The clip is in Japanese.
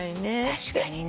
確かにね。